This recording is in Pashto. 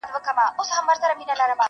د شګوفو د پسرلیو وطن!.